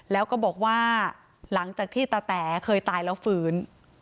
แล้วก็บอกว่าหลังจากที่ตาแต๋เคยตายแล้วฟื้น